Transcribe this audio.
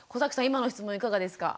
今の質問いかがですか？